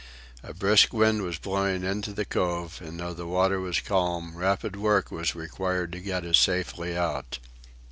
A brisk wind was blowing into the cove, and though the water was calm, rapid work was required to get us safely out.